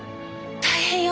「大変よ！